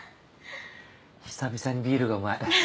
久々にビールがうまい。